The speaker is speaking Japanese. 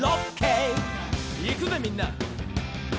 「いくぜみんな」